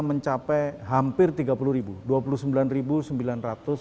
mencapai hampir tiga puluh sembilan